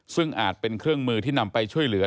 ซึ่งอาจเป็นเครื่องมือที่นำไปช่วยเหลือ